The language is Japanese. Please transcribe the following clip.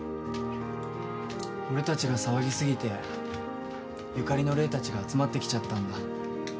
俺たちが騒ぎ過ぎてゆかりの霊たちが集まってきちゃったんだ。